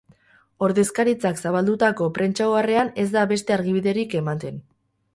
Ordezkaritzak zabaldutako prentsa oharrean ez da beste argibiderik ematen.